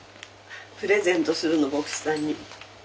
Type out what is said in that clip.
プレゼントするの牧師さんに。